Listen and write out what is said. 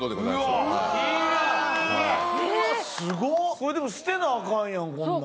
これでも捨てなアカンやんこんなん。